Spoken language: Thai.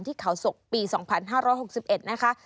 ที่เขาศกปี๒๕๖๑นะคะ